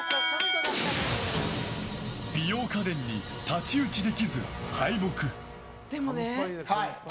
美容家電に太刀打ちできず敗北。